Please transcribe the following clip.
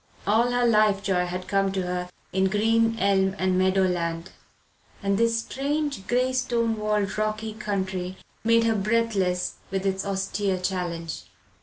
All her life joy had come to her in green elm and meadow land, and this strange grey stone walled rocky country made her breathless with its austere challenge.